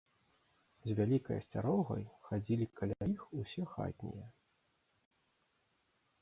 З вялікай асцярогай хадзілі каля іх усе хатнія.